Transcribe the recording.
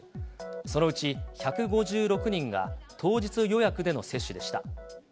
そのうち１５６人が、当日予約での接種でした。